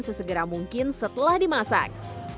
sesegera mungkin setelah dimasak